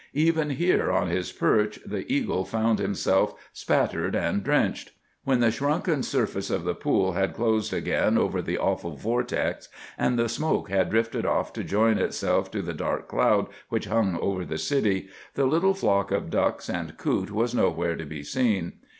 Even here on his perch the eagle found himself spattered and drenched. When the shrunken surface of the pool had closed again over the awful vortex, and the smoke had drifted off to join itself to the dark cloud which hung over the city, the little flock of ducks and coot was nowhere to be seen.